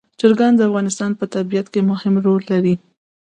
چرګان د افغانستان په طبیعت کې مهم رول لري.